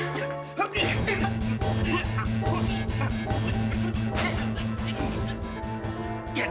nggak gue dulu glenn